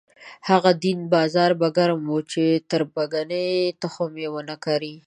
د هغه دین بازار به ګرم وي چې تربګنۍ تخم ونه کري.